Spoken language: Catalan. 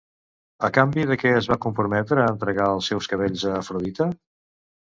A canvi de què es va comprometre a entregar els seus cabells a Afrodita?